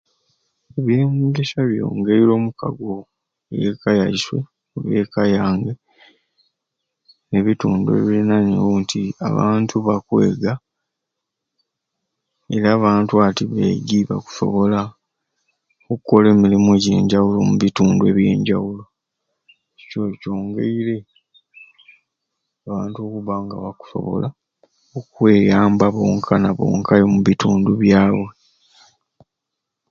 Ebyanyegesya byongaire omukago omwekka yaiswe oba omwekka yange nebitundu ebirirainewo nti abantu bakweega era abantu ati baingi bakusobola okukola emirimu ejanjawulo omubitundu ebyanjawulo kyo kyongaire abantu okubba nga bakusobola okweyamba bonkai na bonkai omubitundu byabwe.